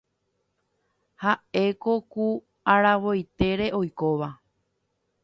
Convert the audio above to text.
Ha'éko ku aravoitére oikóva.